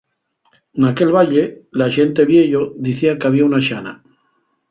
Naquel valle la xente vieyo dicía qu'había una xana.